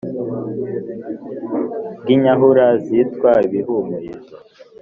bwi nyahura zitwa ibihumurizo.